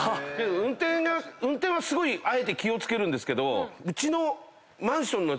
運転はすごいあえて気を付けるんですけどうちの。